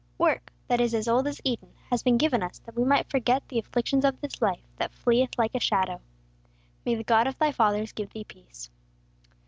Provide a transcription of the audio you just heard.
Work, that is as old as Eden, has been given us that we might forget the afflictions of this life that fleeth like a shadow. May the God of thy fathers give thee peace!"